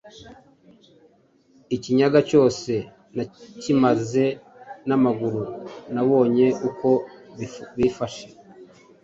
ikinyaga cyose nakimaze n'amaguru nabonye uko bifashe